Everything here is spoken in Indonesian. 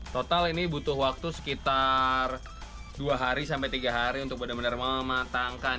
total ini butuh waktu sekitar dua hari sampai tiga hari untuk benar benar mematangkan